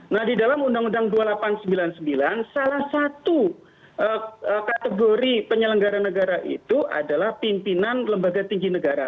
nah di dalam undang undang dua ribu delapan ratus sembilan puluh sembilan salah satu kategori penyelenggara negara itu adalah pimpinan lembaga tinggi negara